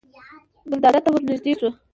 ګلداد ته ور نږدې شوه.